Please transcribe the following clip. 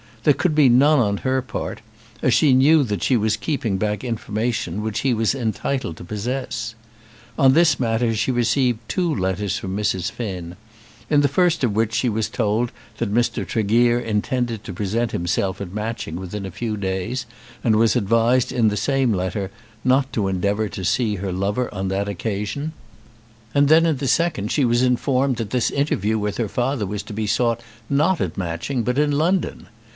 There could be none on her part, as she knew that she was keeping back information which he was entitled to possess. On this matter she received two letters from Mrs. Finn, in the first of which she was told that Mr. Tregear intended to present himself at Matching within a few days, and was advised in the same letter not to endeavour to see her lover on that occasion; and then, in the second she was informed that this interview with her father was to be sought not at Matching but in London.